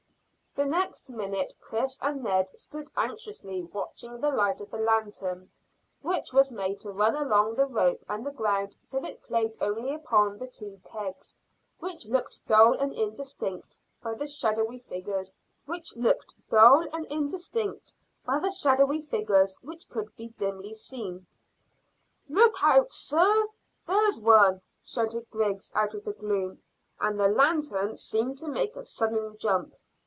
The next minute Chris and Ned stood anxiously watching the light of the lanthorn, which was made to run along the rope and the ground till it played only upon the two kegs, which looked dull and indistinct by the shadowy figures which could be dimly seen. "Look out, sir; there's one!" shouted Griggs out of the gloom, and the lanthorn seemed to make a sudden jump.